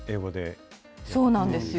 そうなんですよ。